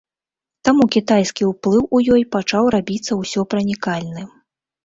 Таму кітайскі ўплыў у ёй пачаў рабіцца ўсёпранікальны.